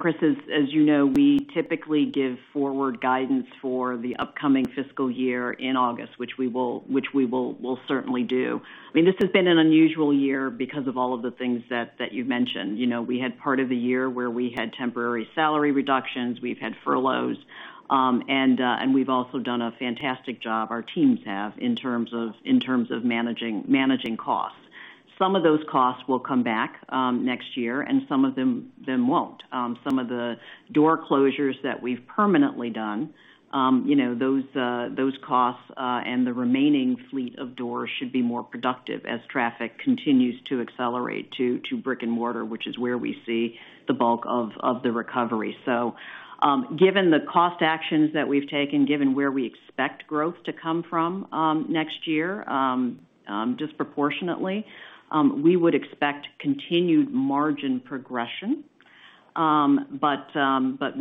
Chris, as you know, we typically give forward guidance for the upcoming fiscal year in August, which we will certainly do. This has been an unusual year because of all of the things that you've mentioned. We had part of the year where we had temporary salary reductions, we've had furloughs, and we've also done a fantastic job, our teams have, in terms of managing costs. Some of those costs will come back next year, and some of them won't. Some of the door closures that we've permanently done, those costs, and the remaining fleet of doors should be more productive as traffic continues to accelerate to brick and mortar, which is where we see the bulk of the recovery. Given the cost actions that we've taken, given where we expect growth to come from next year, disproportionately, we would expect continued margin progression.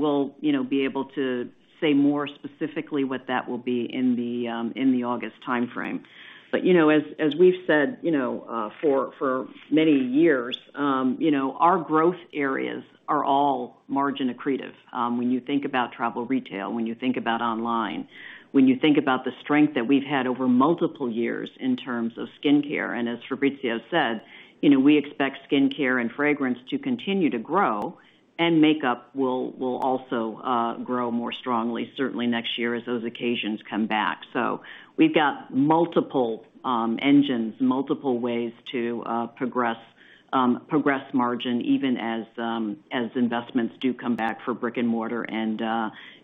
We'll be able to say more specifically what that will be in the August timeframe. As we've said for many years, our growth areas are all margin accretive. When you think about travel retail, when you think about online, when you think about the strength that we've had over multiple years in terms of skincare, and as Fabrizio said, we expect skincare and fragrance to continue to grow, and makeup will also grow more strongly, certainly next year as those occasions come back. We've got multiple engines, multiple ways to progress margin, even as investments do come back for brick and mortar and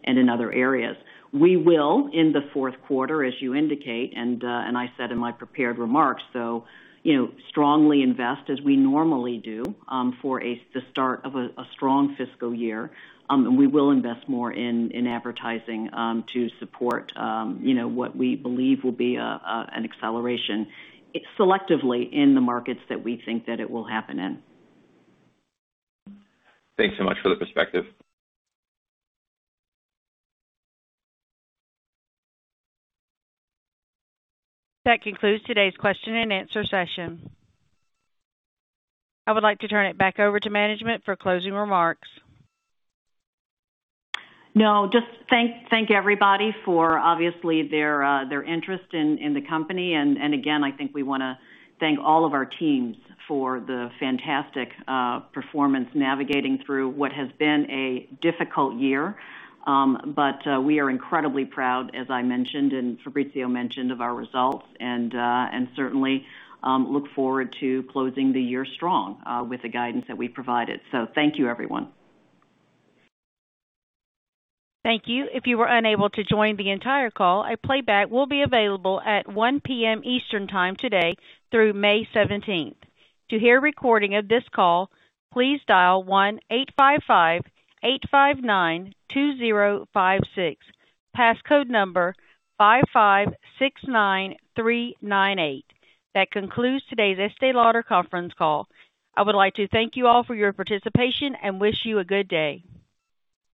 in other areas. We will, in the fourth quarter, as you indicate, and I said in my prepared remarks, so strongly invest as we normally do, for the start of a strong fiscal year, and we will invest more in advertising to support what we believe will be an acceleration selectively in the markets that we think that it will happen in. Thanks so much for the perspective. That concludes today's question and answer session. I would like to turn it back over to management for closing remarks. No, just thank everybody for obviously their interest in the company. Again, I think we want to thank all of our teams for the fantastic performance navigating through what has been a difficult year. We are incredibly proud, as I mentioned and Fabrizio mentioned, of our results, and certainly look forward to closing the year strong with the guidance that we've provided. Thank you, everyone. Thank you. If you were unable to join the entire call, a playback will be available at 1:00 P.M. Eastern time today through May 17th. To hear a recording of this call, please dial 1-855-859-2056, passcode number 5569398. That concludes today's Estée Lauder conference call. I would like to thank you all for your participation and wish you a good day.